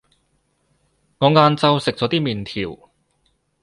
我晏晝食咗啲麵條